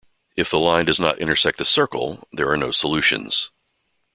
If the line does not intersect the circle, there are no solutions.